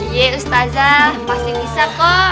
iya ustazah pasti bisa kok